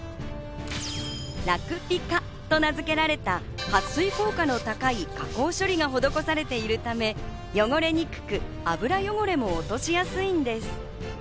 ラクピカと名付けられた撥水効果の高い加工処理が施されているため、汚れにくく、油汚れも落としやすいんです。